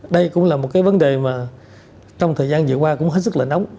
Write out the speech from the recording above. đây cũng là một cái vấn đề mà trong thời gian dựa qua cũng hết sức là nóng